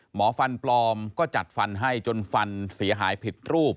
หมอฟันปลอมก็จัดฟันให้จนฟันเสียหายผิดรูป